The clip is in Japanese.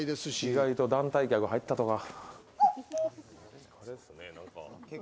意外と団体客が入ったとか。